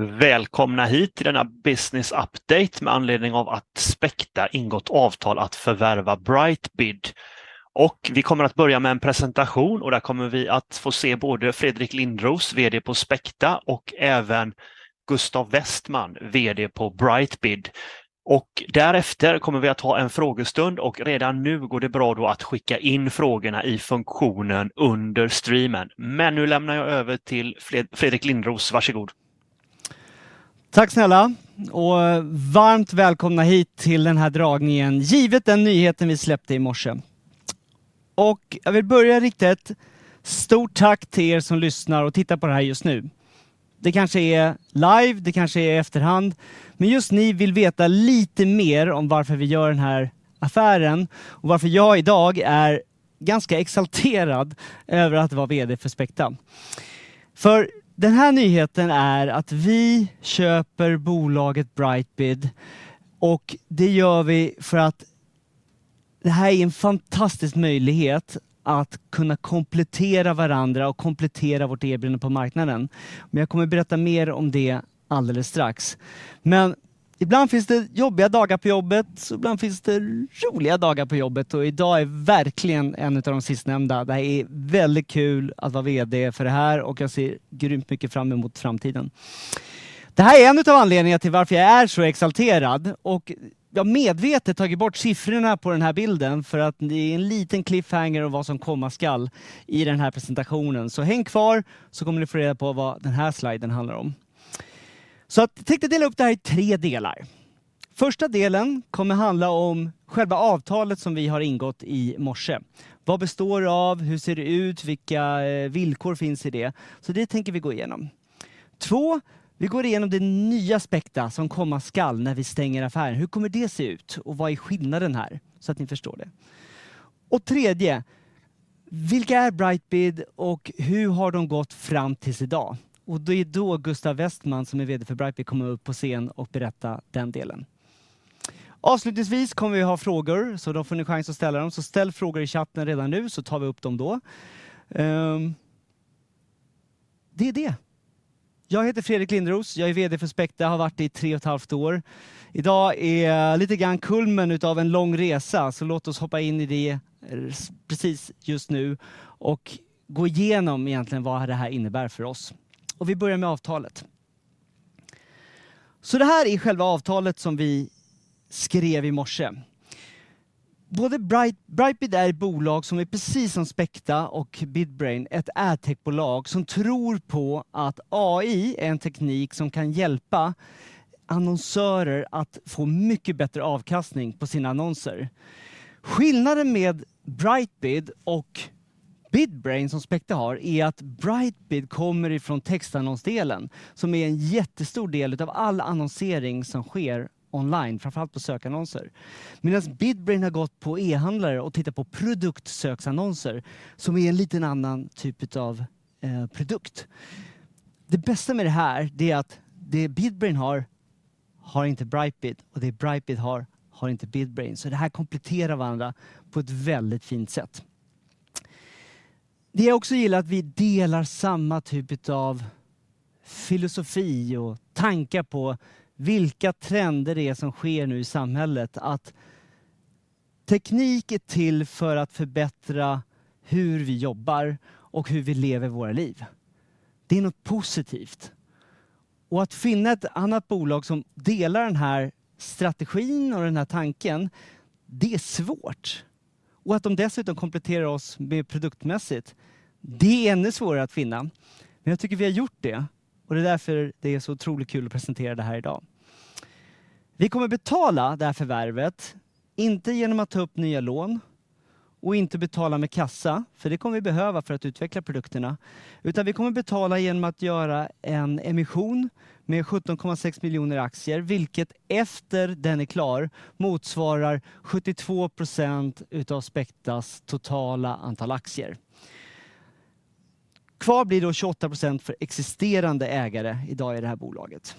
Välkomna hit till denna Business Update med anledning av att Speqta ingått avtal att förvärva BrightBid. Vi kommer att börja med en presentation och där kommer vi att få se både Fredrik Lindros, vd på Speqta, och även Gustav Westman, vd på BrightBid. Därefter kommer vi att ta en frågestund och redan nu går det bra då att skicka in frågorna i funktionen under streamen. Nu lämnar jag över till Fredrik Lindros. Varsågod! Tack snälla! Varmt välkomna hit till den här dragningen, givet den nyheten vi släppte i morse. Jag vill börja rikta ett stort tack till er som lyssnar och tittar på det här just nu. Det kanske är live, det kanske är i efterhand, men just ni vill veta lite mer om varför vi gör den här affären och varför jag i dag är ganska exalterad över att vara vd för Speqta. Den här nyheten är att vi köper bolaget BrightBid, och det gör vi för att det här är en fantastisk möjlighet att kunna komplettera varandra och komplettera vårt erbjudande på marknaden. Jag kommer att berätta mer om det alldeles strax. Ibland finns det jobbiga dagar på jobbet, ibland finns det roliga dagar på jobbet och i dag är verkligen en av de sistnämnda. Det är väldigt kul att vara vd för det här och jag ser grymt mycket fram emot framtiden. Det här är en av anledningarna till varför jag är så exalterad och jag medvetet tagit bort siffrorna på den här bilden för att det är en liten cliffhanger av vad som komma skall i den här presentationen. Häng kvar, så kommer ni få reda på vad den här sliden handlar om. Jag tänkte dela upp det här i tre delar. Första delen kommer handla om själva avtalet som vi har ingått i morse. Vad består det av? Hur ser det ut? Vilka villkor finns i det? Det tänker vi gå igenom. Två, vi går igenom det nya Speqta som komma skall när vi stänger affären. Hur kommer det se ut och vad är skillnaden här? Att ni förstår det. Tredje, vilka är BrightBid och hur har de gått fram tills i dag? Det är då Gustav Westman, som är vd för BrightBid, kommer upp på scen och berätta den delen. Avslutningsvis kommer vi att ha frågor, så då får ni chans att ställa dem. Ställ frågor i chatten redan nu, så tar vi upp dem då. Det är det! Jag heter Fredrik Lindros, jag är vd för Speqta, har varit det i 3.5 år. I dag är lite grann kulmen utav en lång resa, så låt oss hoppa in i det precis just nu och gå igenom egentligen vad det här innebär för oss. Vi börjar med avtalet. Det här är själva avtalet som vi skrev i morse. Både BrightBid är ett bolag som är precis som Speqta och Bidbrain, ett AdTech-bolag som tror på att AI är en teknik som kan hjälpa annonsörer att få mycket bättre avkastning på sina annonser. Skillnaden med BrightBid och Bidbrain, som Speqta har, är att BrightBid kommer ifrån textannonsdelen, som är en jättestor del av all annonsering som sker online, framför allt på sökannonser. Medans Bidbrain har gått på e-handlare och tittat på produktsöksannonser, som är en liten annan typ utav produkt. Det bästa med det här, det är att det Bidbrain har inte BrightBid och det BrightBid har inte Bidbrain. Så det här kompletterar varandra på ett väldigt fint sätt. Det jag också gillar att vi delar samma typ utav filosofi och tankar på vilka trender det är som sker nu i samhället. Att teknik är till för att förbättra hur vi jobbar och hur vi lever våra liv. Det är något positivt. Att finna ett annat bolag som delar den här strategin och den här tanken, det är svårt. Att de dessutom kompletterar oss produktmässigt, det är ännu svårare att finna. Jag tycker vi har gjort det och det är därför det är så otroligt kul att presentera det här i dag. Vi kommer betala det här förvärvet, inte igenom att ta upp nya lån och inte betala med kassa, för det kommer vi behöva för att utveckla produkterna, utan vi kommer betala igenom att göra en emission med 17.6 million aktier, vilket efter den är klar motsvarar 72% utav Speqtas totala antal aktier. Kvar blir då 28% för existerande ägare i dag i det här bolaget.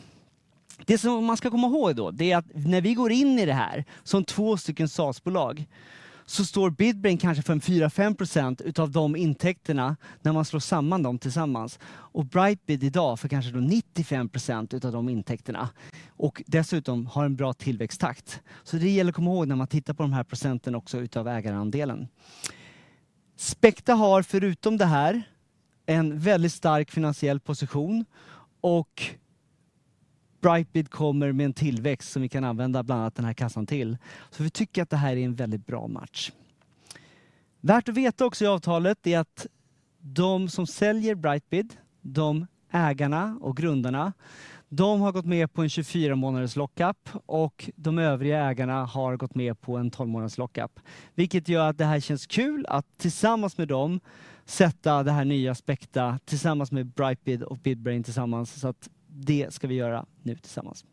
Det som man ska komma ihåg då, det är att när vi går in i det här som två stycken SaaS-bolag, så står Bidbrain kanske för en 4-5% utav de intäkterna när man slår samman dem tillsammans. BrightBid i dag för kanske då 95% utav de intäkterna och dessutom har en bra tillväxttakt. Det gäller att komma ihåg när man tittar på de här procenten också utav ägarandelen. Speqta har förutom det här, en väldigt stark finansiell position och BrightBid kommer med en tillväxt som vi kan använda bland annat den här kassan till. Vi tycker att det här är en väldigt bra match. Värt att veta också i avtalet är att de som säljer BrightBid, de ägarna och grundarna, de har gått med på en 24-month lock-up och de övriga ägarna har gått med på en 12-month lock-up, vilket gör att det här känns kul att tillsammans med dem sätta det här nya Speqta tillsammans med BrightBid och Bidbrain tillsammans. Det ska vi göra nu tillsammans.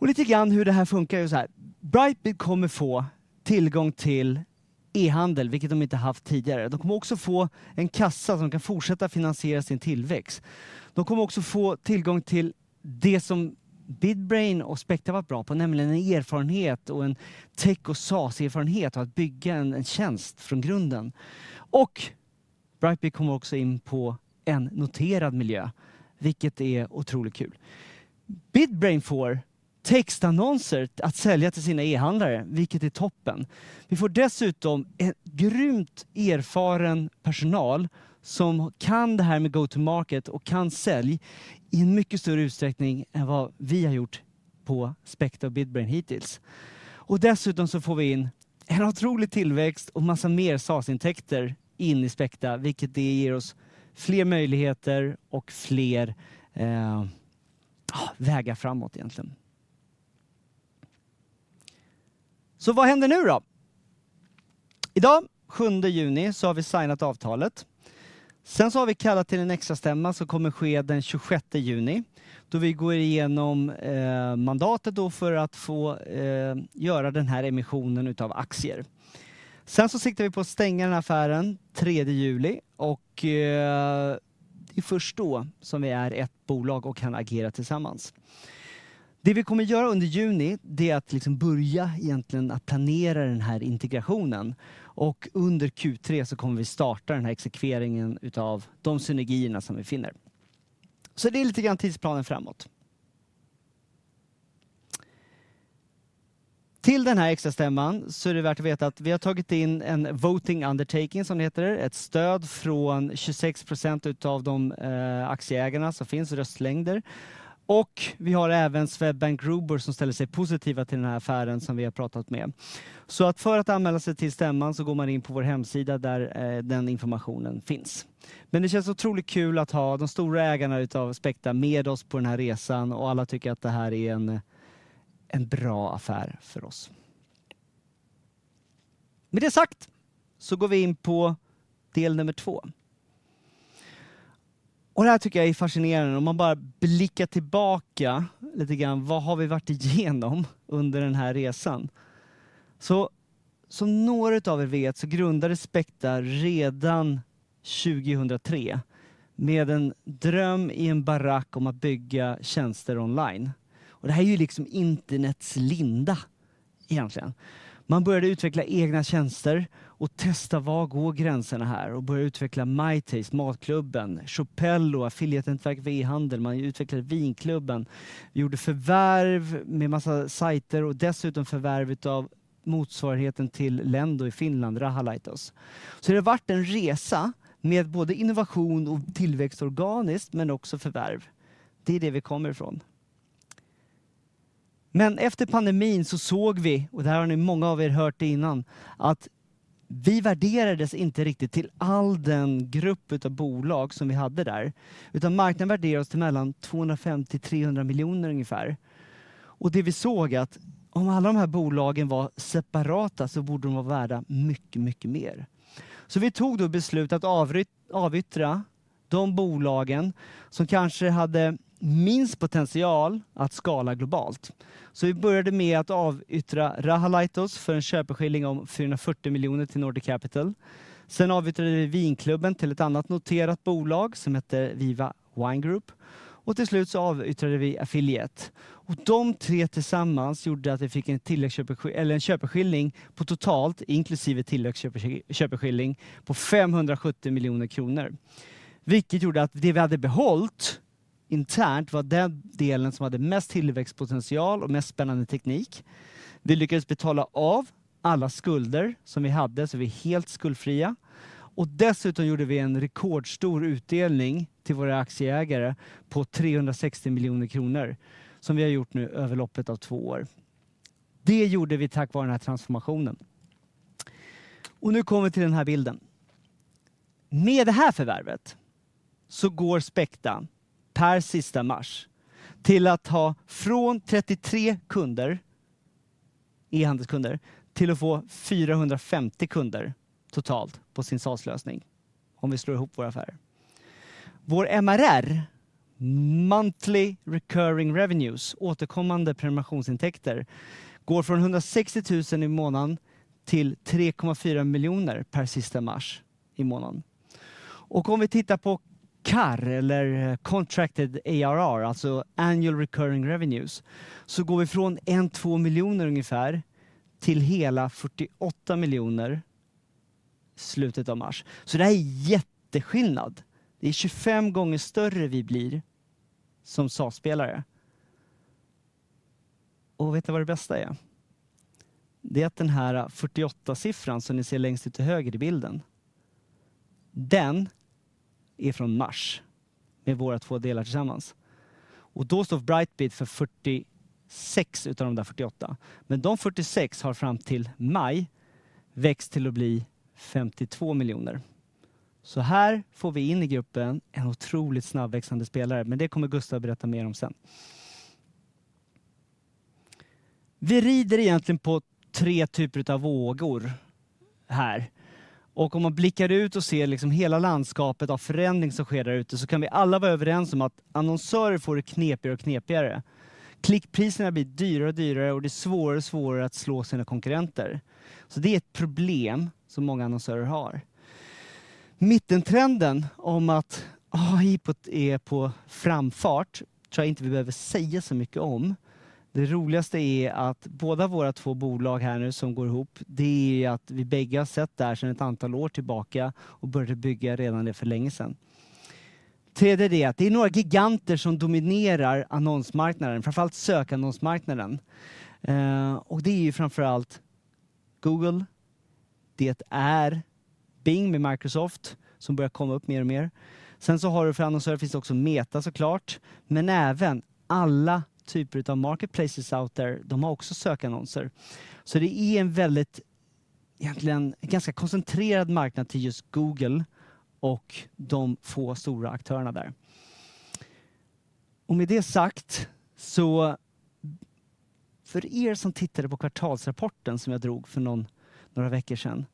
Lite grann hur det här funkar är såhär: BrightBid kommer få tillgång till e-handel, vilket de inte haft tidigare. De kommer också få en kassa som kan fortsätta finansiera sin tillväxt. De kommer också få tillgång till det som Bidbrain och Speqta har varit på, nämligen en erfarenhet och en tech och SaaS-erfarenhet av att bygga en tjänst från grunden. BrightBid kommer också in på en noterad miljö, vilket är otroligt kul. Bidbrain får textannonser att sälja till sina e-handlare, vilket är toppen. Vi får dessutom en grymt erfaren personal som kan det här med go-to-market och kan sälj i en mycket större utsträckning än vad vi har gjort på Speqta och Bidbrain hittills. Dessutom så får vi in en otrolig tillväxt och en massa mer SaaS-intäkter in i Speqta, vilket det ger oss fler möjligheter och fler, ja, vägar framåt egentligen. Vad händer nu då? Idag, seventh juni, så har vi signat avtalet. Så har vi kallat till en extra stämma som kommer att ske den 26th juni, då vi går igenom mandatet för att få göra den här emissionen utav aktier. Så siktar vi på att stänga den här affären third juli och det är först då som vi är ett bolag och kan agera tillsammans. Det vi kommer att göra under juni, det är att liksom börja egentligen att planera den här integrationen och under Q3 så kommer vi starta den här exekveringen utav de synergierna som vi finner. Det är lite grann tidsplanen framåt. Till den här extra stämman så är det värt att veta att vi har tagit in en voting undertaking, som det heter, ett stöd från 26% utav de aktieägarna som finns, röstlängder, och vi har även Swedbank Robur som ställer sig positiva till den här affären som vi har pratat med. För att anmäla sig till stämman så går man in på vår hemsida där den informationen finns. Det känns otroligt kul att ha de stora ägarna utav Speqta med oss på den här resan och alla tycker att det här är en bra affär för oss. Med det sagt går vi in på del nummer 2. Det här tycker jag är fascinerande. Om man bara blickar tillbaka lite grann, vad har vi varit igenom under den här resan? Som några utav er vet, grundades Speqta redan 2003 med en dröm i en barack om att bygga tjänster online. Det här är ju liksom internets linda, egentligen. Man började utveckla egna tjänster och testa var går gränserna här och började utveckla myTaste, Matklubben, Shopello, Affiliate-nätverk för e-handel. Man utvecklade Vinklubben, gjorde förvärv med en massa sajter och dessutom förvärv utav motsvarigheten till Lendo i Finland, Rahalaitos. Det har varit en resa med både innovation och tillväxt organiskt, men också förvärv. Det är det vi kommer ifrån. Efter pandemin så såg vi, och det här har ni många av er hört det innan, att vi värderades inte riktigt till all den grupp utav bolag som vi hade där, utan marknaden värderade oss till mellan 250 million-300 million ungefär. Det vi såg att om alla de här bolagen var separata så borde de vara värda mycket mer. Vi tog då beslut att avyttra de bolagen som kanske hade minst potential att skala globalt. Vi började med att avyttra Rahalaitos för en köpeskilling om 440 million till Nordic Capital. Avyttrade vi Vinklubben till ett annat noterat bolag som hette Viva Wine Group och till slut så avyttrade vi Affiliate. De tre tillsammans gjorde att vi fick en tilläggsköpeskilling, eller en köpeskilling, på totalt, inklusive tilläggsköpeskilling, på 570 million kronor. Vilket gjorde att det vi hade behållit internt var den delen som hade mest tillväxtpotential och mest spännande teknik. Vi lyckades betala av alla skulder som vi hade, så vi är helt skuldfria. Dessutom gjorde vi en rekordstor utdelning till våra aktieägare på 360 million kronor, som vi har gjort nu över loppet av 2 years. Det gjorde vi tack vare den här transformationen. Nu kommer vi till den här bilden. Med det här förvärvet så går Speqta, per sista mars, till att ha från 33 customers, e-handelskunder, till att få 450 customers totalt på sin SaaS-lösning, om vi slår ihop våra affärer. Vår MRR, Monthly Recurring Revenues, återkommande prenumerationsintäkter, går från 160,000 i månaden till 3.4 million per sista mars i månaden. Om vi tittar på CARR, eller Contracted ARR, alltså Annual Recurring Revenues, går vi från 1-2 million ungefär till hela 48 million slutet av mars. Det här är en jätteskillnad. Det är 25 times större vi blir som SaaS player. Vet ni vad det bästa är? Det är att den här 48-figuren som ni ser längst ut till höger i bilden, den är från mars med våra två delar tillsammans. Då står BrightBid för 46 million utav de där 48 million. De 46 million har fram till maj växt till att bli 52 million. Här får vi in i gruppen en otroligt snabbväxande spelare, men det kommer Gustav berätta mer om sen. Vi rider egentligen på tre typer av vågor här.... Om man blickar ut och ser liksom hela landskapet av förändring som sker där ute, så kan vi alla vara överens om att annonsörer får det knepigare och knepigare. Klickpriserna blir dyrare och dyrare och det är svårare och svårare att slå sina konkurrenter. Det är ett problem som många annonsörer har. Mittentrenden om att, ja, IPOT är på framfart tror jag inte vi behöver säga så mycket om. Det roligaste är att båda våra två bolag här nu som går ihop, det är ju att vi bägge har sett det här sedan ett antal år tillbaka och började bygga redan det för länge sedan. Tredje det, att det är några giganter som dominerar annonsmarknaden, framför allt sökannonsmarknaden. Det är ju framför allt Google, det är Bing med Microsoft, som börjar komma upp mer och mer. Sen har du för annonsörer finns det också Meta så klart, men även alla typer utav marketplaces out there, de har också sökannonser. Det är en väldigt, egentligen ganska koncentrerad marknad till just Google och de få stora aktörerna där. Med det sagt, för er som tittade på kvartalsrapporten som jag drog för någon, några veckor sedan,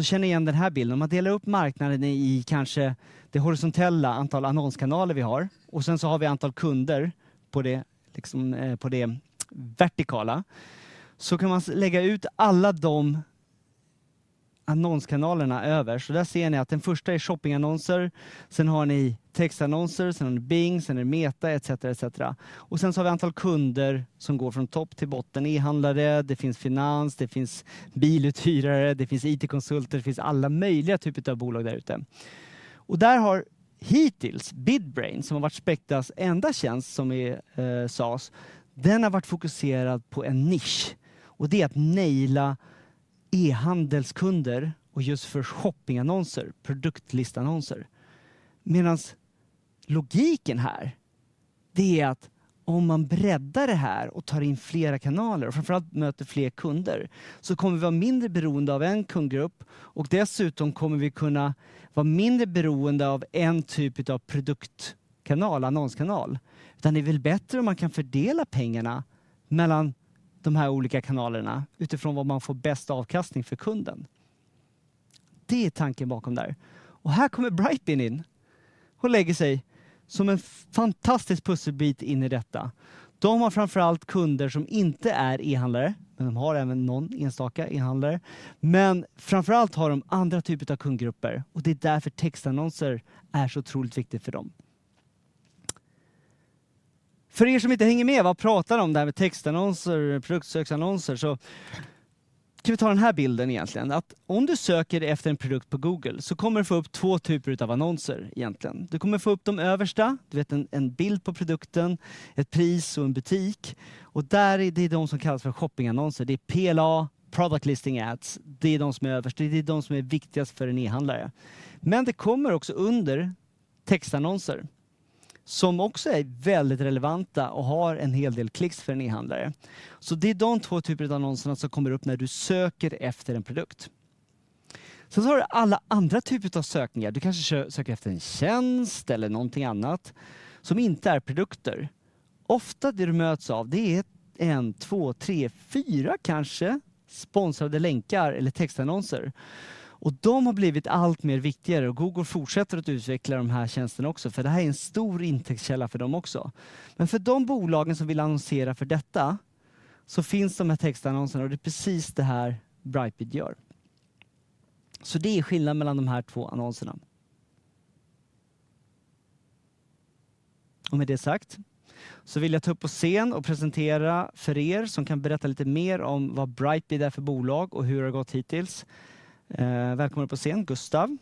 känner igen den här bilden. Man delar upp marknaden i kanske det horisontella antal annonskanaler vi har, och sen har vi antal kunder på det, på det vertikala, så kan man lägga ut alla de annonskanalerna över. Där ser ni att den första är shoppingannonser, sen har ni textannonser, sen har ni Bing, sen är det Meta etc., etc. Vi har antal kunder som går från topp till botten, e-handlare, det finns finans, det finns biluthyrare, det finns IT-konsulter, det finns alla möjliga typer av bolag där ute. Där har hittills Bidbrain, som har varit Speqta's enda tjänst, som det sas, den har varit fokuserad på en niche och det är att nail e-handelskunder och just för shoppingannonser, produktlistannonser. Logiken här, det är att om man breddar det här och tar in flera kanaler och framför allt möter fler kunder, så kommer vi vara mindre beroende av en kundgrupp och dessutom kommer vi kunna vara mindre beroende av en typ utav produktkanal, annonskanal. Det är väl bättre om man kan fördela pengarna mellan de här olika kanalerna utifrån vad man får bäst avkastning för kunden. Det är tanken bakom där. Här kommer BrightBid in och lägger sig som en fantastisk pusselbit in i detta. De har framför allt kunder som inte är e-handlare, men de har även någon enstaka e-handlare. Framför allt har de andra typer av kundgrupper och det är därför textannonser är så otroligt viktigt för dem. För er som inte hänger med, vad pratar om det här med textannonser, produktsöksannonser, så kan vi ta den här bilden egentligen. Om du söker efter en produkt på Google, så kommer du få upp två typer utav annonser egentligen. Du kommer att få upp de översta, du vet, en bild på produkten, ett pris och en butik, och där, det är de som kallas för shoppingannonser. Det är PLA, product listing ads, det är de som är överst, det är de som är viktigast för en e-handlare. Det kommer också under textannonser som också är väldigt relevanta och har en hel del clicks för en e-handlare. Det är de två typer av annonserna som kommer upp när du söker efter en produkt. Du har alla andra typer av sökningar. Du kanske söker efter en tjänst eller någonting annat som inte är produkter. Ofta det du möts av, det är 1, 2, 3, 4 kanske, sponsrade länkar eller textannonser. De har blivit allt mer viktigare och Google fortsätter att utveckla de här tjänsterna också, för det här är en stor intäktskälla för dem också. För de bolagen som vill annonsera för detta, så finns de här textannonserna och det är precis det här BrightBid gör. Det är skillnaden mellan de här två annonserna. Med det sagt, vill jag ta upp på scen och presentera för er som kan berätta lite mer om vad BrightBid är för bolag och hur det har gått hittills. Välkommen upp på scen, Gustav.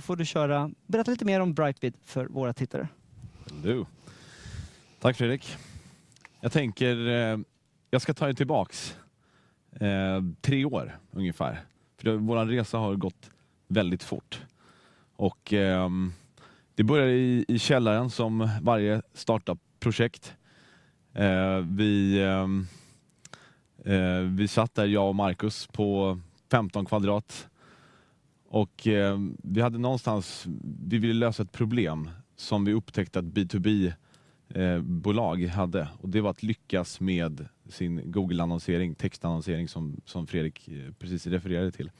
Får du köra, berätta lite mer om BrightBid för våra tittare. Hallo! Tack, Fredrik. Jag tänker, jag ska ta det tillbaka, eh, tre år ungefär. Vår resa har gått väldigt fort och det började i källaren som varje startup-projekt. Eh, vi, eh, vi satt där, jag och Marcus, på femton kvadrat och vi hade någonstans... Vi ville lösa ett problem som vi upptäckte att B2B, eh, bolag hade, och det var att lyckas med sin Google-annonsering, textannonsering, som, som Fredrik precis refererade till.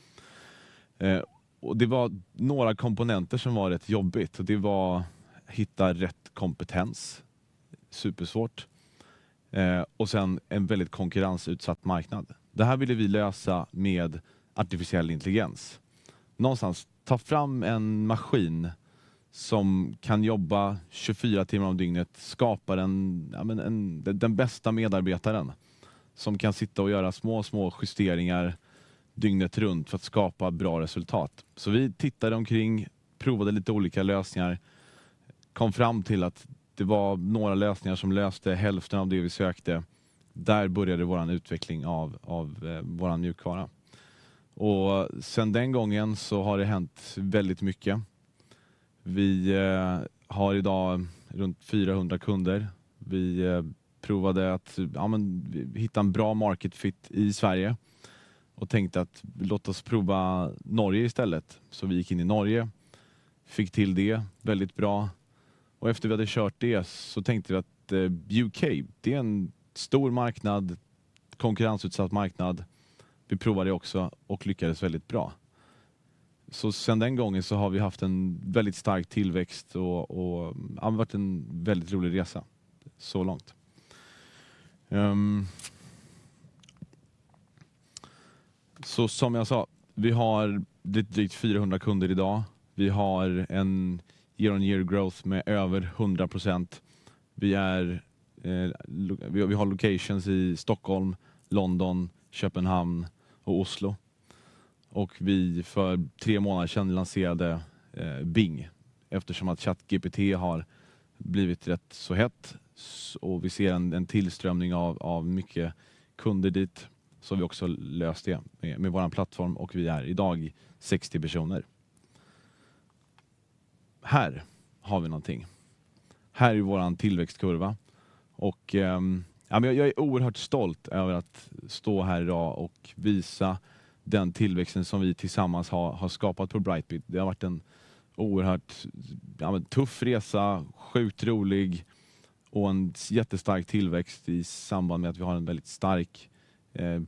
Eh, och det var några komponenter som var rätt jobbigt. Det var hitta rätt kompetens, supersvårt, eh, och sedan en väldigt konkurrensutsatt marknad. Det här ville vi lösa med artificiell intelligens. Någonstans ta fram en maskin som kan jobba tjugofyra timmar om dygnet, skapa den, ja men en, den bästa medarbetaren som kan sitta och göra små, små justeringar dygnet runt för att skapa bra resultat. Vi tittade omkring, provade lite olika lösningar, kom fram till att det var några lösningar som löste hälften av det vi sökte. Där började våran utveckling av våran mjukvara. Sedan den gången så har det hänt väldigt mycket. Vi har i dag runt 400 kunder. Vi provade att, ja men, hitta en bra market fit i Sverige och tänkte att låt oss prova Norge istället. Vi gick in i Norge.... fick till det väldigt bra. Efter vi hade kört det så tänkte vi att U.K., det är en stor marknad, konkurrensutsatt marknad. Vi provade det också och lyckades väldigt bra. Sedan den gången så har vi haft en väldigt stark tillväxt och ja, det har varit en väldigt rolig resa så långt. Som jag sa, vi har drygt 400 kunder i dag. Vi har en year-over-year growth med över 100%. Vi har locations i Stockholm, London, Köpenhamn och Oslo. Vi, för three months sedan, lanserade Bing. Eftersom att ChatGPT har blivit rätt så hett och vi ser en tillströmning av mycket kunder dit, så har vi också löst det med vår plattform och vi är i dag 60 persons. Här har vi någonting. Här är vår tillväxtkurva och jag är oerhört stolt över att stå här i dag och visa den tillväxten som vi tillsammans har skapat på BrightBid. Det har varit en oerhört tuff resa, sjukt rolig och en jättestark tillväxt i samband med att vi har en väldigt stark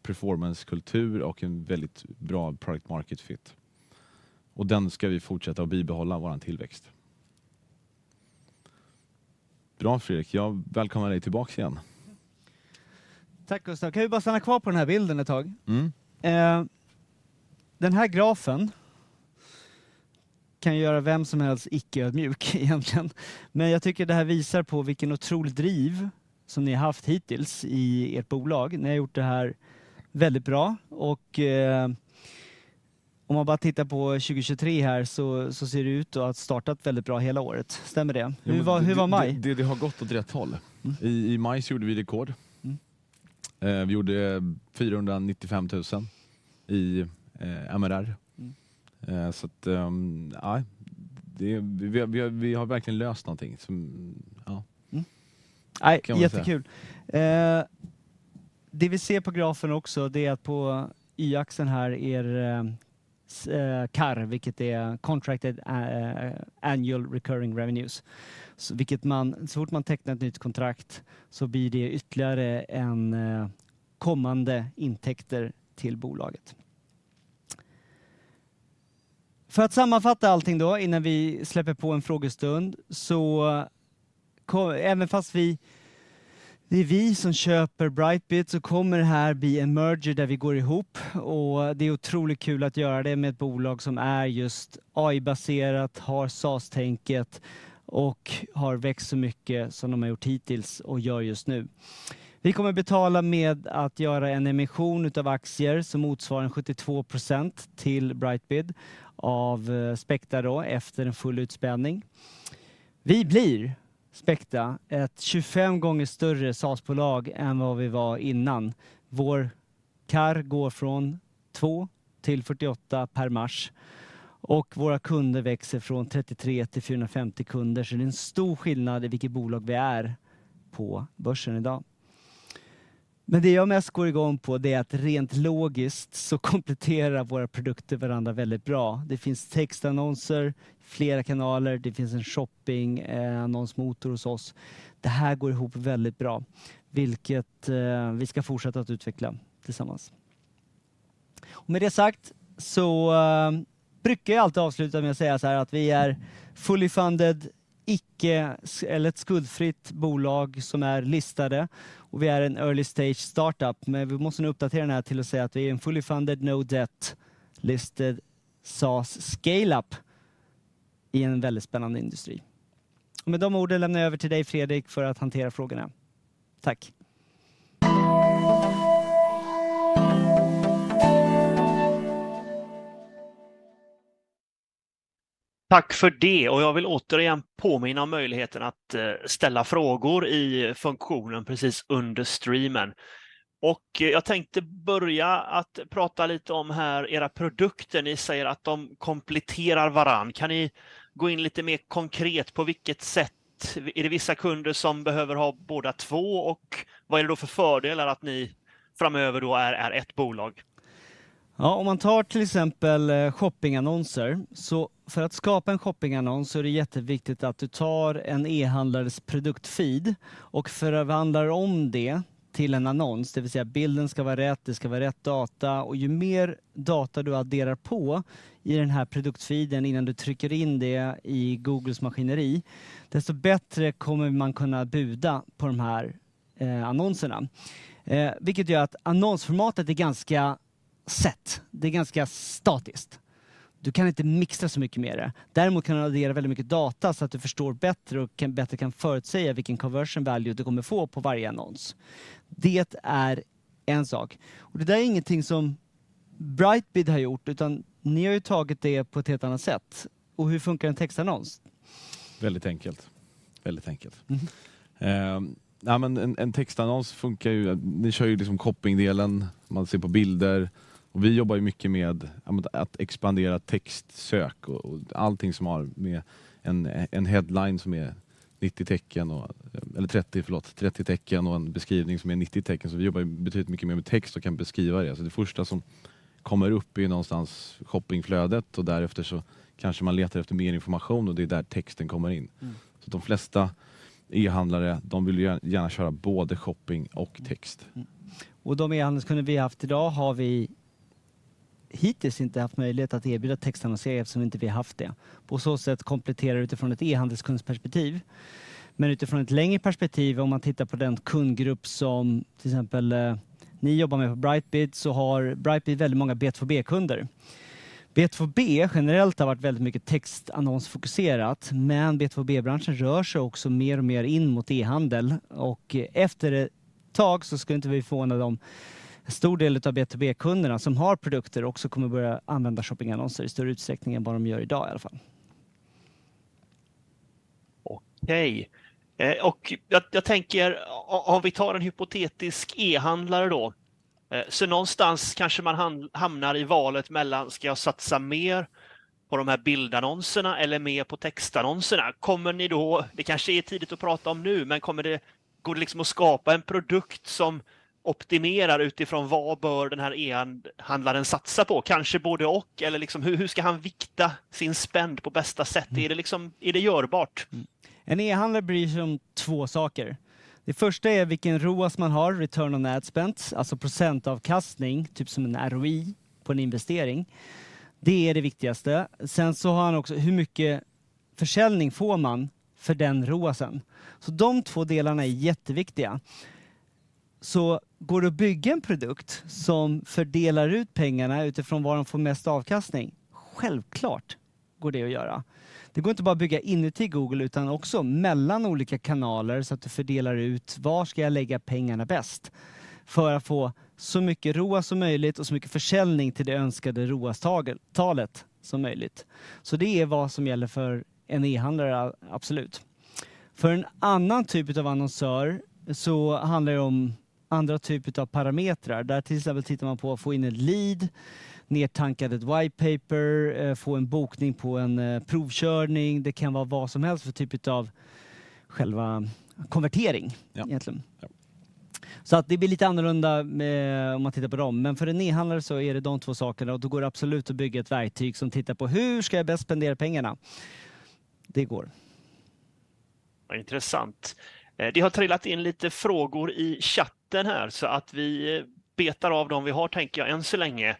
performancekultur och en väldigt bra product-market fit. Den ska vi fortsätta att bibehålla vår tillväxt. Bra, Fredrik, jag välkomnar dig tillbaka igen. Tack Gustav. Kan vi bara stanna kvar på den här bilden ett tag? Mm. Den här grafen kan göra vem som helst icke ödmjuk egentligen. Jag tycker det här visar på vilken otrolig driv som ni har haft hittills i ert bolag. Ni har gjort det här väldigt bra. Om man bara tittar på 2023 här, så ser det ut att ha startat väldigt bra hela året. Stämmer det? Hur var maj? Det har gått åt rätt håll. I maj gjorde vi rekord. Vi gjorde 495,000 i MRR. ja, det, vi har verkligen löst någonting som, ja. Nej, jättekul! Det vi ser på grafen också, det är att på y-axeln här är CARR, vilket är Contracted Annual Recurring Revenues. Vilket man, så fort man tecknar ett nytt kontrakt, så blir det ytterligare en kommande intäkter till bolaget. För att sammanfatta allting då, innan vi släpper på en frågestund, även fast vi, det är vi som köper BrightBid, så kommer det här bli en merger där vi går ihop. Det är otroligt kul att göra det med ett bolag som är just AI-baserat, har SaaS-tänket och har växt så mycket som de har gjort hittills och gör just nu. Vi kommer betala med att göra en emission utav aktier som motsvarar 72% till BrightBid av Speqta då, efter en full utspädning. Vi blir, Speqta, ett 25 times större SaaS-bolag än vad vi var innan. Vår CARR går från 2 till 48 per mars och våra kunder växer från 33 till 450 kunder. Det är en stor skillnad i vilket bolag vi är på börsen i dag. Det jag mest går igång på, det är att rent logiskt så kompletterar våra produkter varandra väldigt bra. Det finns textannonser, flera kanaler, det finns en shoppingannonsmotor hos oss. Det här går ihop väldigt bra, vilket vi ska fortsätta att utveckla tillsammans. Med det sagt, brukar jag alltid avsluta med att säga såhär, att vi är fully funded, icke eller ett skuldfritt bolag som är listade och vi är en early stage start-up. Vi måste nu uppdatera den här till att säga att vi är en fully funded, no debt, listed, SaaS, scale-up i en väldigt spännande industri. Med de orden lämnar jag över till dig, Fredrik, för att hantera frågorna. Tack! Tack för det. Jag vill återigen påminna om möjligheten att ställa frågor i funktionen precis under streamen. Jag tänkte börja att prata lite om här era produkter. Ni säger att de kompletterar varann. Kan ni gå in lite mer konkret på vilket sätt? Är det vissa kunder som behöver ha både två och vad är det då för fördelar att ni framöver då är ett bolag? Om man tar till exempel shoppingannonser, för att skapa en shoppingannons är det jätteviktigt att du tar en e-handlares produktfeed och förvandlar om det till en annons. Det vill säga, bilden ska vara rätt, det ska vara rätt data och ju mer data du adderar på i den här produktfeeden innan du trycker in det i Googles maskineri, desto bättre kommer man kunna buda på de här annonserna. Vilket gör att annonsformatet är ganska set, det är ganska statiskt. Du kan inte mixa så mycket med det. Däremot kan du addera väldigt mycket data så att du förstår bättre och bättre kan förutsäga vilken conversion value du kommer få på varje annons. Det är en sak. Det där är ingenting som BrightBid har gjort, utan ni har ju tagit det på ett helt annat sätt. Hur funkar en textannons? Väldigt enkelt, väldigt enkelt. Ja, men en textannons funkar ju, ni kör ju liksom shoppingdelen, man ser på bilder och vi jobbar ju mycket med att expandera textsök och allting som har med en headline som är 30 tecken och en beskrivning som är 90 tecken. Vi jobbar betydligt mycket mer med text och kan beskriva det. De flesta e-handlare, de vill gärna köra både shopping och text. Och de e-handelskunder vi haft i dag har vi hittills inte haft möjlighet att erbjuda textannonser eftersom vi inte har haft det. På så sätt kompletterar utifrån ett e-handelskundsperspektiv. Men utifrån ett längre perspektiv, om man tittar på den kundgrupp som till exempel ni jobbar med på Brightbid, så har Brightbid väldigt många B2B-kunder. B2B generellt har varit väldigt mycket textannonsfokuserat, men B2B-branschen rör sig också mer och mer in mot e-handel. Och efter ett tag så ska inte vi förvåna dem, en stor del av B2B-kunderna som har produkter också kommer att börja använda shoppingannonser i större utsträckning än vad de gör i dag i alla fall. Okej, jag tänker om vi tar en hypotetisk e-handlare då. Någonstans kanske man hamnar i valet mellan ska jag satsa mer på de här bildannonserna eller mer på textannonserna? Kommer ni då, det kanske är tidigt att prata om nu, men går det liksom att skapa en produkt som optimerar utifrån vad bör den här e-handlaren satsa på? Kanske både och, eller hur ska han vikta sin spend på bästa sätt? Är det liksom, är det görbart? En e-handlare bryr sig om two saker. Det första är vilken ROAS man har, return on ad spend, alltså procentavkastning, typ som en ROI på en investering. Det är det viktigaste. Har han också hur mycket försäljning får man för den ROASEN. De two delarna är jätteviktiga. Går det att bygga en produkt som fördelar ut pengarna utifrån var de får mest avkastning? Självklart går det att göra. Det går inte bara att bygga inuti Google, utan också mellan olika kanaler så att du fördelar ut var ska jag lägga pengarna bäst för att få så mycket ROAS som möjligt och så mycket försäljning till det önskade ROAS-talet som möjligt. Det är vad som gäller för en e-handlare, absolut. För en annan typ utav annonsör så handlar det om andra typer av parametrar. Där till exempel tittar man på att få in ett lead, downloaded a white paper, få en bokning på en test drive. Det kan vara vad som helst för typ utav själva conversion egentligen. Det blir lite annorlunda om man tittar på dem. För en e-retailer så är det de två sakerna och då går det absolut att bygga ett verktyg som tittar på hur ska jag bäst spendera pengarna? Det går. Intressant. Det har trillat in lite frågor i chatten här så att vi betar av de vi har, tänker jag, än så länge.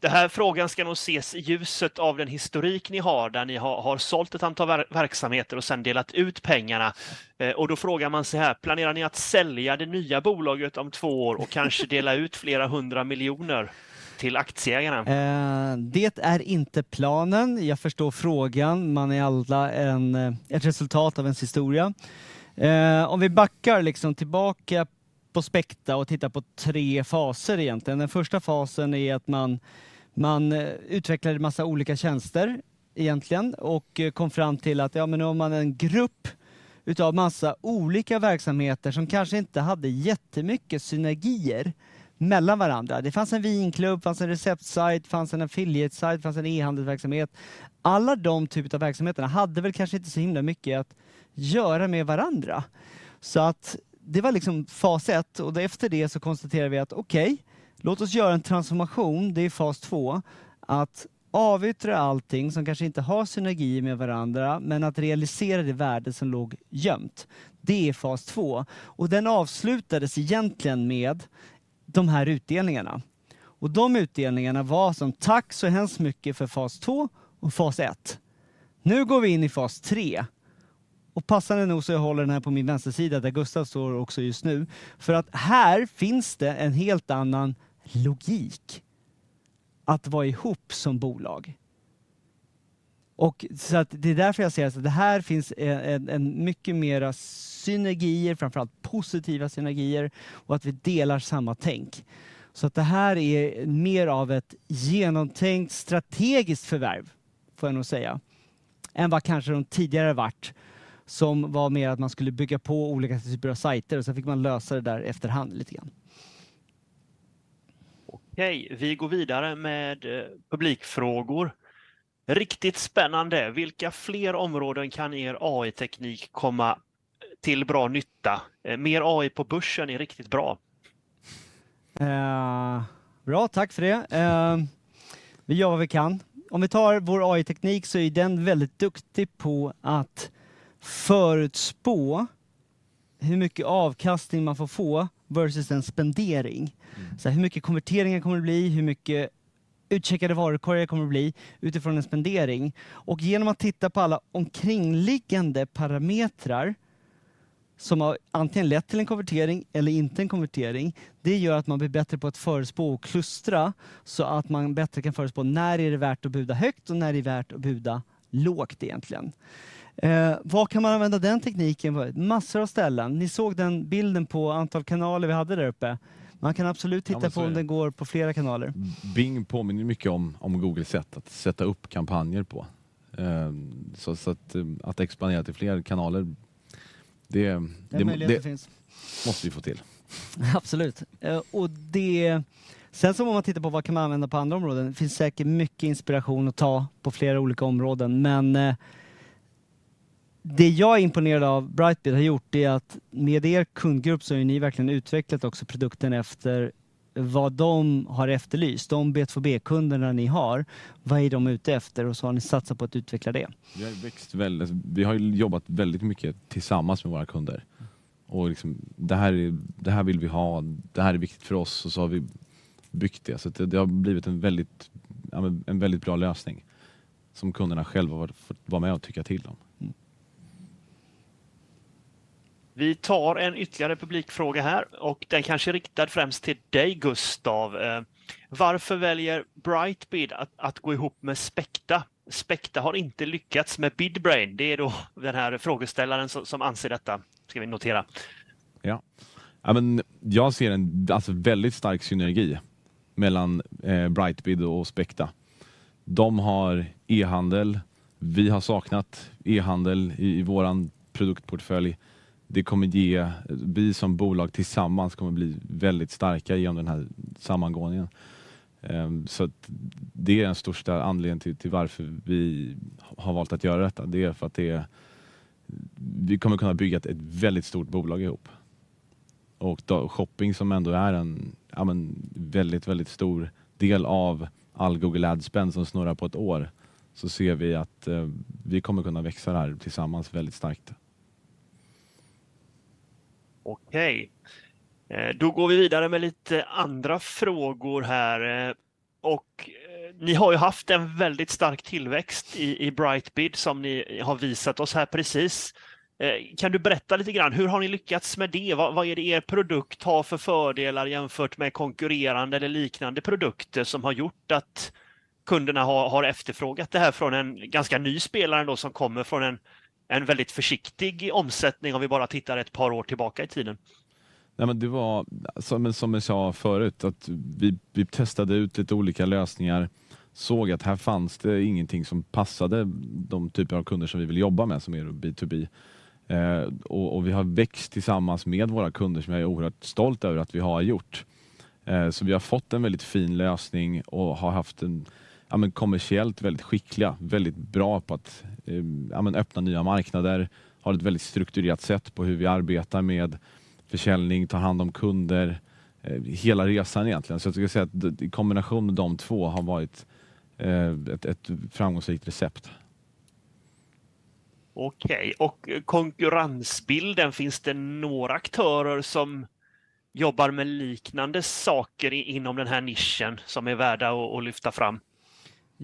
Den här frågan ska nog ses i ljuset av den historik ni har, där ni har sålt ett antal verksamheter och sedan delat ut pengarna. Då frågar man sig här: Planerar ni att sälja det nya bolaget om two years och kanske dela ut SEK several hundred million till aktieägarna? Det är inte planen. Jag förstår frågan. Man är alla en, ett resultat av ens historia. Om vi backar liksom tillbaka på Speqta och tittar på 3 faser egentligen. Den första fasen är att man utvecklade en massa olika tjänster egentligen och kom fram till att, ja men om man är en grupp utav massa olika verksamheter som kanske inte hade jättemycket synergier mellan varandra. Det fanns en Vinklubben, fanns en receptsajt, fanns en affiliate sajt, fanns en e-handelsverksamhet. Alla de typ av verksamheterna hade väl kanske inte så himla mycket att göra med varandra. Så att det var liksom fas 1 och efter det så konstaterade vi att okej, låt oss göra en transformation. Det är fas 2, att avyttra allting som kanske inte har synergier med varandra, men att realisera det värde som låg gömt. Det är fas 2 och den avslutades egentligen med de här utdelningarna. De utdelningarna var som tack så hemskt mycket för fas 2 och fas 1. Nu går vi in i fas 3 och passande nog, så jag håller den här på min vänstersida, där Gustav står också just nu. Här finns det en helt annan logik att vara ihop som bolag. Det är därför jag säger att det här finns en mycket mera synergier, framför allt positiva synergier och att vi delar samma tänk. Det här är mer av ett genomtänkt strategiskt förvärv, får jag nog säga, än vad kanske de tidigare varit, som var mer att man skulle bygga på olika typer av sajter och sen fick man lösa det där efterhand lite grann. Okay, vi går vidare med publikfrågor. Riktigt spännande! Vilka fler områden kan er AI-teknik komma till bra nytta? Mer AI på börsen är riktigt bra. Bra, tack för det! Vi gör vad vi kan. Om vi tar vår AI-teknik så är den väldigt duktig på att förutspå hur mycket avkastning man får få versus en spendering. Hur mycket konverteringen kommer det bli? Hur mycket utcheckade varukorgar kommer det bli utifrån en spendering? Genom att titta på alla omkringliggande parametrar som har antingen lett till en konvertering eller inte en konvertering, det gör att man blir bättre på att förutspå och klustra så att man bättre kan förutspå när är det värt att buda högt och när det är värt att buda lågt egentligen. Vad kan man använda den tekniken för? Massor av ställen. Ni såg den bilden på antal kanaler vi hade där uppe. Man kan absolut titta på om den går på flera kanaler. Bing påminner mycket om Google sätt att sätta upp kampanjer på. Att expandera till fler kanaler? Den möjligheten finns. Det måste vi få till. Absolut! Det, sen så om man tittar på vad kan man använda på andra områden? Det finns säkert mycket inspiration att ta på flera olika områden. Det jag är imponerad av BrightBid har gjort, det är att med er kundgrupp så har ni verkligen utvecklat också produkten efter vad de har efterlyst. De B2B-kunderna ni har, vad är de ute efter? Så har ni satsat på att utveckla det. Vi har växt väldigt, vi har jobbat väldigt mycket tillsammans med våra kunder. Liksom, det här vill vi ha, det här är viktigt för oss. Så har vi byggt det. Det har blivit en väldigt, ja men en väldigt bra lösning som kunderna själva har fått vara med och tycka till om. Vi tar en ytterligare publikfråga här och den kanske är riktad främst till dig, Gustav. Varför väljer BrightBid att gå ihop med Speqta? Speqta har inte lyckats med Bidbrain. Det är då den här frågeställaren som anser detta, ska vi notera. Ja, men jag ser en väldigt stark synergi mellan BrightBid och Speqta. De har e-handel, vi har saknat e-handel i vår produktportfölj. Vi som bolag tillsammans kommer bli väldigt starka igenom den här sammangåningen. Det är den största anledningen till varför vi har valt att göra detta. Vi kommer kunna bygga ett väldigt stort bolag ihop. Shopping som ändå är en, ja men väldigt stor del av all Google Ads spend som snurrar på ett år, så ser vi att vi kommer kunna växa det här tillsammans väldigt starkt. Okej, då går vi vidare med lite andra frågor här. Ni har ju haft en väldigt stark tillväxt i BrightBid som ni har visat oss här precis. Kan du berätta lite grann, hur har ni lyckats med det? Vad är det er produkt har för fördelar jämfört med konkurrerande eller liknande produkter som har gjort att kunderna har efterfrågat det här från en ganska ny spelare då som kommer från en väldigt försiktig omsättning, om vi bara tittar ett par år tillbaka i tiden? Det var, som jag sa förut, att vi testade ut lite olika lösningar, såg att här fanns det ingenting som passade de typer av kunder som vi vill jobba med, som är B2B. Och vi har växt tillsammans med våra kunder, som jag är oerhört stolt över att vi har gjort. Vi har fått en väldigt fin lösning och har haft en, ja men kommersiellt, väldigt skickliga, väldigt bra på att, ja men öppna nya marknader, har ett väldigt strukturerat sätt på hur vi arbetar med försäljning, ta hand om kunder, hela resan egentligen. Jag tycker att säga att i kombination med de två har varit ett framgångsrikt recept. Okej, konkurrensbilden, finns det några aktörer som jobbar med liknande saker inom den här nischen som är värda att lyfta fram?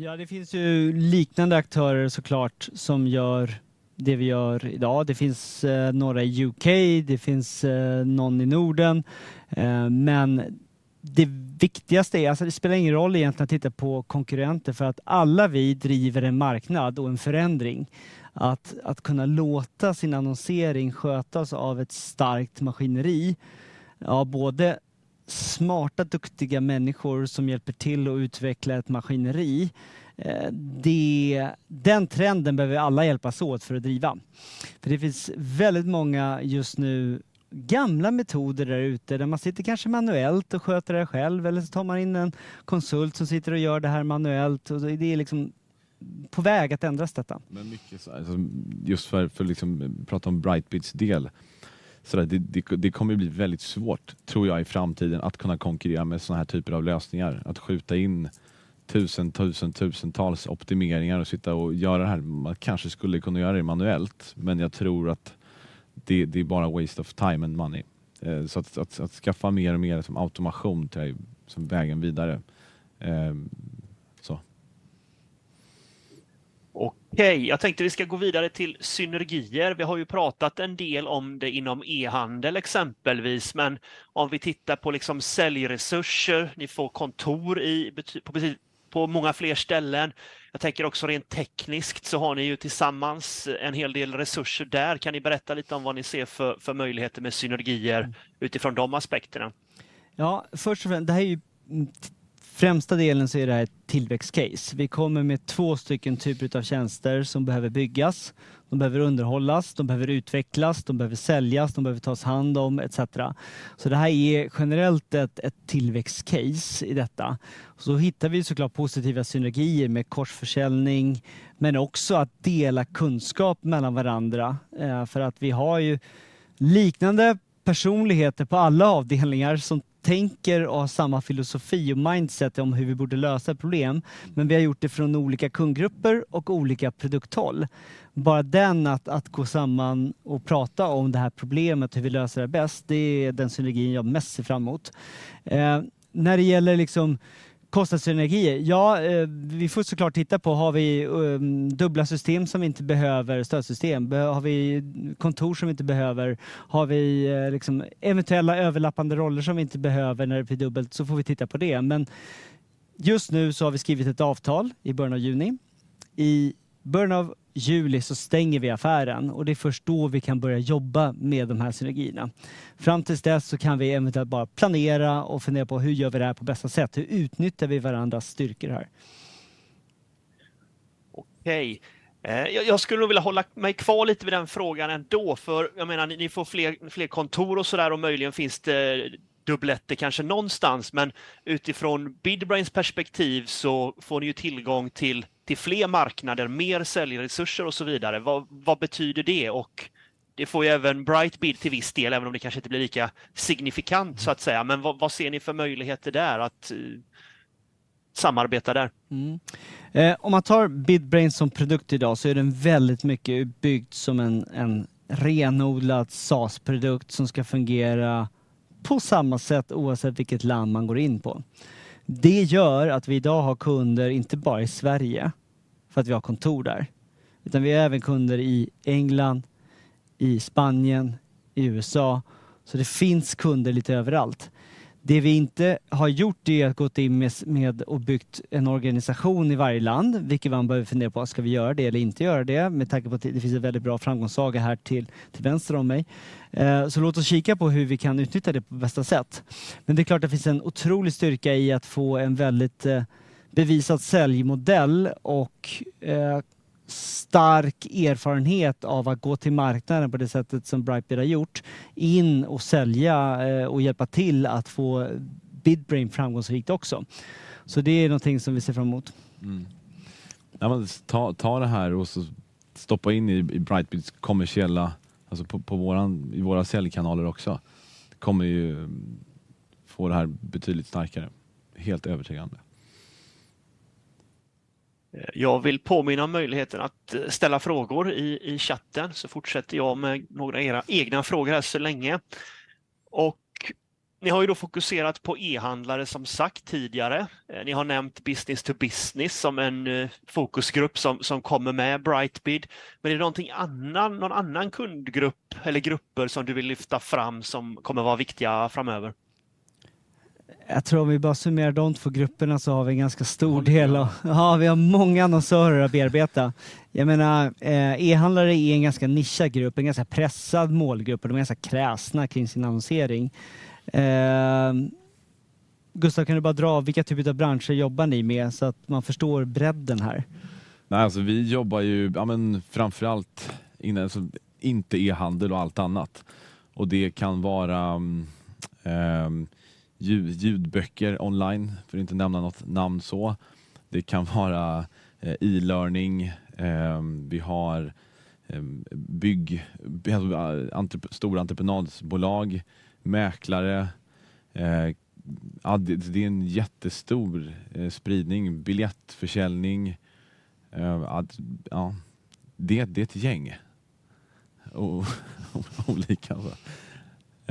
Ja, det finns ju liknande aktörer så klart, som gör det vi gör i dag. Det finns några i U.K., det finns någon i Norden. Det viktigaste är, alltså det spelar ingen roll egentligen att titta på konkurrenter för att alla vi driver en marknad och en förändring. Att kunna låta sin annonsering skötas av ett starkt maskineri, av både smarta, duktiga människor som hjälper till att utveckla ett maskineri. Den trenden behöver vi alla hjälpas åt för att driva. För det finns väldigt många just nu gamla metoder där ute, där man sitter kanske manuellt och sköter det själv eller så tar man in en konsult som sitter och gör det här manuellt. Det är liksom på väg att ändras detta. Mycket så, just för att prata om BrightBid's del. Det kommer att bli väldigt svårt, tror jag, i framtiden, att kunna konkurrera med sådana här typer av lösningar. Att skjuta in tusentals optimeringar och sitta och göra det här. Man kanske skulle kunna göra det manuellt, men jag tror att det är bara waste of time and money. Att skaffa mer och mer som automation tror jag är som vägen vidare. Okay, jag tänkte vi ska gå vidare till synergier. Vi har ju pratat en del om det inom e-commerce, exempelvis, men om vi tittar på liksom säljresurser, ni får kontor i, på många fler ställen. Jag tänker också rent tekniskt så har ni ju tillsammans en hel del resurser där. Kan ni berätta lite om vad ni ser för möjligheter med synergier utifrån de aspekterna? Först och främst, det här är ju främsta delen så är det här ett tillväxtcase. Vi kommer med två stycken typer utav tjänster som behöver byggas, de behöver underhållas, de behöver utvecklas, de behöver säljas, de behöver tas hand om etcetera. Det här är generellt ett tillväxtcase i detta. Hittar vi så klart positiva synergier med korsförsäljning, men också att dela kunskap mellan varandra. Vi har ju liknande personligheter på alla avdelningar som tänker och har samma filosofi och mindset om hur vi borde lösa problem. Vi har gjort det från olika kundgrupper och olika produkthåll. Bara den, att gå samman och prata om det här problemet, hur vi löser det bäst, det är den synergin jag mest ser fram emot. När det gäller liksom kostnadssynergier, ja, vi får så klart titta på: Har vi dubbla system som vi inte behöver stödsystem? Har vi kontor som vi inte behöver? Har vi liksom eventuella överlappande roller som vi inte behöver när det blir dubbelt? Så får vi titta på det. Men just nu så har vi skrivit ett avtal i början av juni. I början av juli så stänger vi affären och det är först då vi kan börja jobba med de här synergierna. Fram tills dess så kan vi eventuellt bara planera och fundera på hur gör vi det här på bästa sätt? Hur utnyttjar vi varandras styrkor här? Jag skulle nog vilja hålla mig kvar lite vid den frågan ändå. Jag menar, ni får fler kontor och sådär, och möjligen finns det dubletter kanske någonstans. Utifrån Bidbrains perspektiv så får ni ju tillgång till fler marknader, mer säljresurser och så vidare. Vad betyder det? Det får ju även BrightBid till viss del, även om det kanske inte blir lika signifikant så att säga. Vad ser ni för möjligheter där att samarbeta där? Om man tar Bidbrain som produkt i dag så är den väldigt mycket byggd som en renodlad SaaS-produkt som ska fungera på samma sätt, oavsett vilket land man går in på. Det gör att vi i dag har kunder inte bara i Sweden, för att vi har kontor där, utan vi har även kunder in England, in Spain, in the U.S. Det finns kunder lite överallt. Det vi inte har gjort det är att gått in med och byggt en organisation i varje land, vilket man behöver fundera på, ska vi göra det eller inte göra det? Med tanke på att det finns en väldigt bra framgångssaga här till vänster om mig. Låt oss kika på hur vi kan utnyttja det på bästa sätt. Det är klart att det finns en otrolig styrka i att få en väldigt bevisad säljmodell och stark erfarenhet av att gå till marknaden på det sättet som BrightBid har gjort, in och sälja och hjälpa till att få Bidbrain framgångsrikt också. Det är någonting som vi ser fram emot. ta det här och så stoppa in i BrightBid's kommersiella, alltså på våran, i våra säljkanaler också. Det kommer ju få det här betydligt starkare, helt övertygande. Jag vill påminna om möjligheten att ställa frågor i chatten, så fortsätter jag med några era egna frågor här så länge. Ni har ju då fokuserat på e-handlare som sagt tidigare. Ni har nämnt business to business som en fokusgrupp som kommer med BrightBid. Är det någon annan kundgrupp eller grupper som du vill lyfta fram som kommer att vara viktiga framöver? Jag tror om vi bara summerar de två grupperna så har vi en ganska stor del. Ja, vi har många annonsörer att bearbeta. Jag menar, e-handlare är en ganska nischad grupp, en ganska pressad målgrupp, och de är ganska kräsna kring sin annonsering. Gustav, kan du bara dra vilka typer av branscher jobbar ni med så att man förstår bredden här? Nej, alltså, we work ju, ja men primarily within not e-commerce and everything else. It can be audiobooks online, not to mention any names så. It can be e-learning. We have large construction companies, real estate agents. It is a very large spread, ticket sales. Yes, it is a bunch. Different alltså,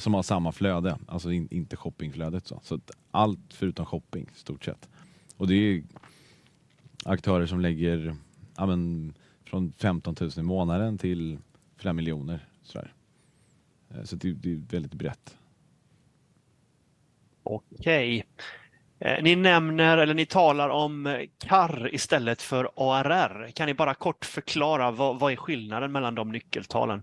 that have the same flow, alltså not the shopping flow så. Everything except shopping, largely. It is players who spend, ja men from 15,000 per month to several million SEK, sådär. It is very broad. Okej, ni nämner eller ni talar om CARR istället för ARR. Kan ni bara kort förklara vad är skillnaden mellan de nyckeltalen?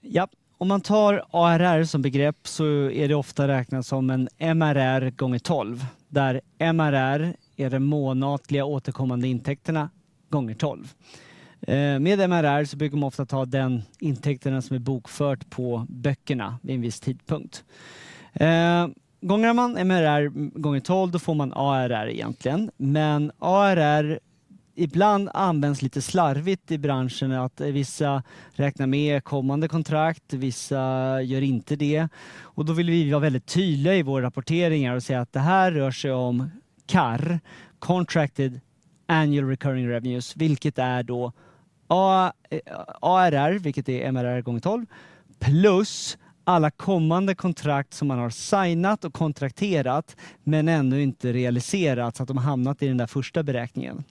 Japp, om man tar ARR som begrepp så är det ofta räknat som en MRR times 12, där MRR är den månatliga återkommande intäkterna times 12. Med MRR så brukar man ofta ta den intäkterna som är bokfört på böckerna vid en viss tidpunkt. Gångrar man MRR times 12, då får man ARR egentligen, men ARR ibland används lite slarvigt i branschen att vissa räknar med kommande kontrakt, vissa gör inte det. Då vill vi vara väldigt tydliga i vår rapportering här och säga att det här rör sig om CARR, Contracted Annual Recurring Revenues, vilket är då A, ARR, vilket är MRR times 12, plus alla kommande kontrakt som man har signed och contracted, men ännu inte realized, så att de har hamnat i den där första beräkningen.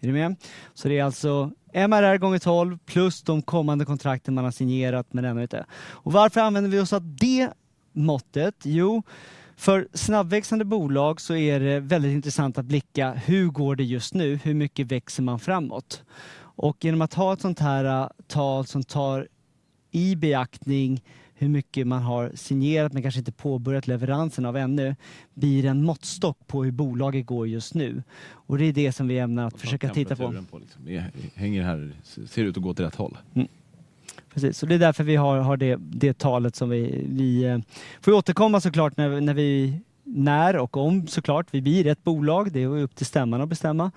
Är du med? Det är alltså MRR x 12 plus de kommande kontrakten man har signerat men ännu inte... Varför använder vi oss av det måttet? Jo, för snabbväxande bolag så är det väldigt intressant att blicka: hur går det just nu? Hur mycket växer man framåt? Genom att ha ett sådant här tal som tar i beaktning hur mycket man har signerat, men kanske inte påbörjat leveransen av ännu, blir en måttstock på hur bolaget går just nu. Det är det som vi ämnar att försöka titta på. Hänger här, ser ut att gå åt rätt håll. Precis, det är därför vi har det talet som vi får återkomma så klart, när vi, när och om så klart, vi blir ett bolag, det är upp till stämman att bestämma.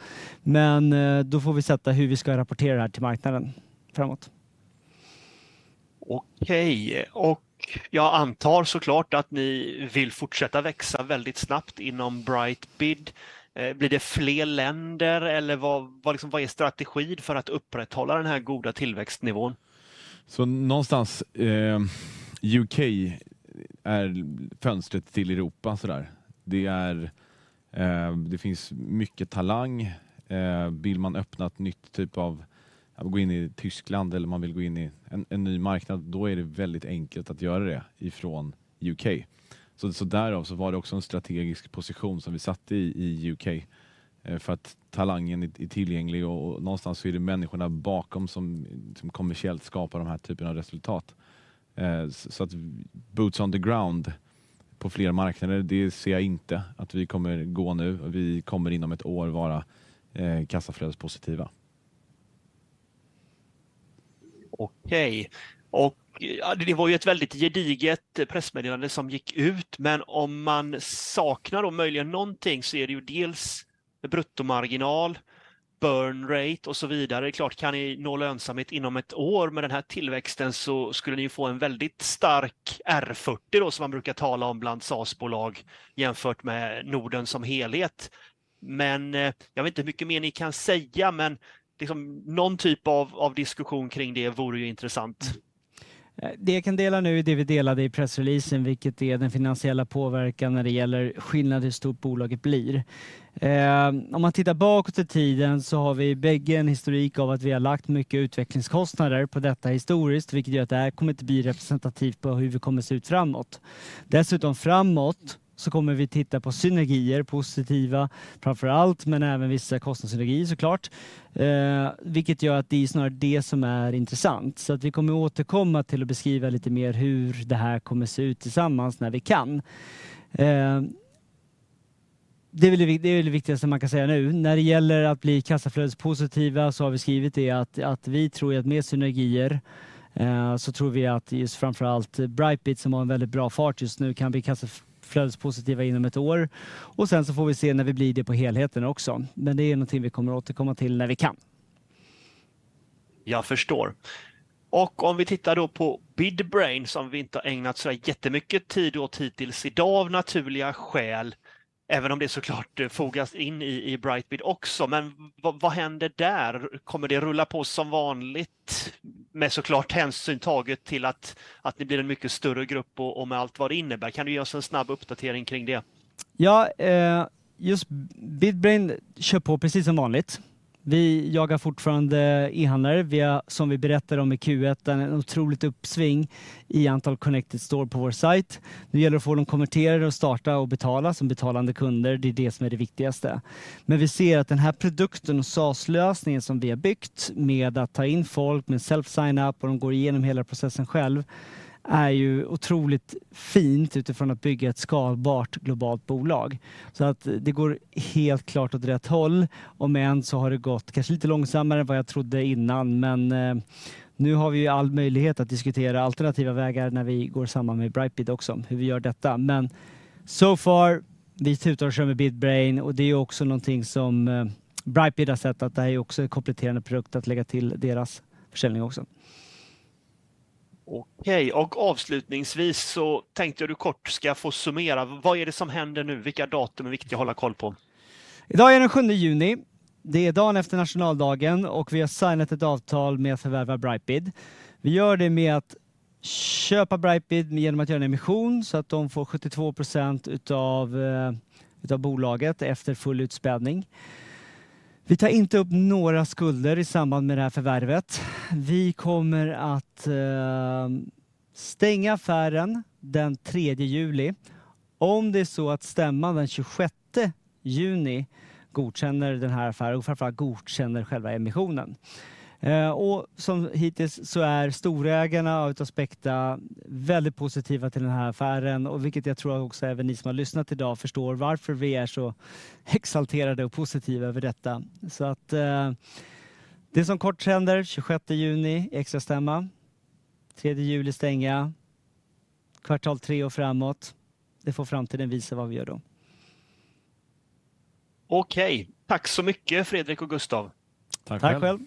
Då får vi sätta hur vi ska rapportera det här till marknaden framåt. Okej, och jag antar så klart att ni vill fortsätta växa väldigt snabbt inom BrightBid. Blir det fler länder? Eller vad är strategin för att upprätthålla den här goda tillväxtnivån? Någonstans, U.K. är fönstret till Europe sådär. Det är, det finns mycket talang. Vill man öppna ett nytt typ av, gå in in Germany eller man vill gå in in en ny marknad, då är det väldigt enkelt att göra det ifrån U.K. Därav så var det också en strategisk position som vi satte i U.K. För att talangen är tillgänglig och någonstans så är det människorna bakom som kommersiellt skapar de här typerna av resultat. Boots on the ground på flera marknader. Det ser jag inte att vi kommer gå nu. Vi kommer inom one year vara cash flow positive. Ja, det var ju ett väldigt gediget pressmeddelande som gick ut, men om man saknar då möjligen någonting, så är det ju dels bruttomarginal, burn rate och så vidare. Det är klart, kan ni nå lönsamhet inom 1 year med den här tillväxten, så skulle ni ju få en väldigt stark R40 då, som man brukar tala om bland SaaS-bolag, jämfört med Norden som helhet. Jag vet inte hur mycket mer ni kan säga, men liksom någon typ av diskussion kring det vore ju intressant. Det jag kan dela nu är det vi delade i pressreleasen, vilket är den finansiella påverkan när det gäller skillnad hur stort bolaget blir. Om man tittar bakåt i tiden så har vi bägge en historik av att vi har lagt mycket utvecklingskostnader på detta historiskt, vilket gör att det här kommer inte bli representativt på hur vi kommer att se ut framåt. Dessutom framåt, kommer vi titta på synergier, positiva, framför allt, men även vissa kostnadssynergier så klart, vilket gör att det är snarare det som är intressant. Vi kommer återkomma till att beskriva lite mer hur det här kommer att se ut tillsammans när vi kan. Det är väl det viktigaste man kan säga nu. När det gäller att bli kassaflödespositiva så har vi skrivit det att vi tror att med synergier, så tror vi att just framför allt BrightBid, som har en väldigt bra fart just nu, kan bli kassaflödespositiva inom 1 år. Sen så får vi se när vi blir det på helheten också. Det är någonting vi kommer återkomma till när vi kan. Jag förstår. Om vi tittar då på Bidbrain, som vi inte har ägnat så jättemycket tid åt hittills i dag, av naturliga skäl, även om det så klart fogas in i BrightBid också. Vad händer där? Kommer det rulla på som vanligt? Med så klart hänsyn taget till att det blir en mycket större grupp och med allt vad det innebär. Kan du ge oss en snabb uppdatering kring det? Ja, just Bidbrain kör på precis som vanligt. Vi jagar fortfarande e-handlare. Vi har, som vi berättade om i Q1, ett otroligt uppsving i antal connected store på vår site. Nu gäller det att få dem konverterade och starta och betala som betalande kunder. Det är det som är det viktigaste. Vi ser att den här produkten och SaaS-lösningen som vi har byggt med att ta in folk, med self-sign-up och de går igenom hela processen själv, är ju otroligt fint utifrån att bygga ett skalbart globalt bolag. Det går helt klart åt rätt håll, om än så har det gått kanske lite långsammare än vad jag trodde innan. Nu har vi ju all möjlighet att diskutera alternativa vägar när vi går samman med BrightBid också, hur vi gör detta. So far, vi tutar och kör med Bidbrain och det är också någonting som BrightBid har sett att det här är också en kompletterande produkt att lägga till deras försäljning också. Okej, avslutningsvis tänkte jag du kort, ska jag få summera: Vad är det som händer nu? Vilka datum är viktigt att hålla koll på? I dag är det den 7 juni. Det är dagen efter nationaldagen och vi har signat ett avtal med att förvärva BrightBid. Vi gör det med att köpa BrightBid genom att göra en emission så att de får 72% utav bolaget efter full utspädning. Vi tar inte upp några skulder i samband med det här förvärvet. Vi kommer att stänga affären den 3 juli. Om det är så att stämman den 26 juni godkänner den här affären och framför allt godkänner själva emissionen. Som hittills så är storägarna av Speqta väldigt positiva till den här affären, och vilket jag tror att också även ni som har lyssnat i dag förstår varför vi är så exalterade och positiva över detta. Det som kort händer, 26 juni, extrastämma, 3 juli stänga, kvartal 3 och framåt. Det får framtiden visa vad vi gör då. Okay, thank you very much, Fredrik and Gustav. Tack själv!